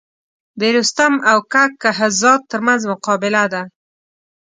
د رستم او کک کهزاد تر منځ مقابله ده.